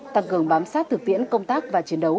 tăng cường bám sát thực tiễn công tác và chiến đấu